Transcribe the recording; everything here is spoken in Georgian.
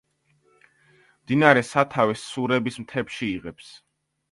მდინარე სათავეს სურების მთებში იღებს.